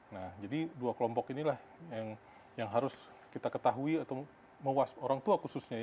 nah jadi dua kelompok inilah yang harus kita ketahui atau mewas orang tua khususnya